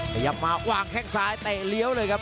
ขยับมาวางแข้งซ้ายเตะเลี้ยวเลยครับ